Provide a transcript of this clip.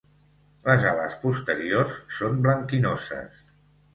Les ales posteriors són blanquinoses.